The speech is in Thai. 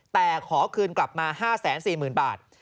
แต่ขอคืนกลับมา๕๔๐๐๐บาท